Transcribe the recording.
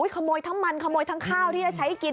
ขโมยทั้งมันขโมยทั้งข้าวที่จะใช้กิน